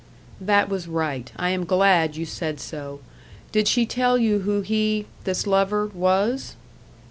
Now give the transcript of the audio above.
"That was right. I am glad you said so. Did she tell you who he this lover, was?"